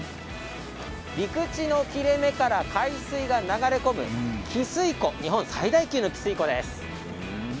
陸地の切れ目から海水が流れ込む汽水湖、日本最大の汽水湖です。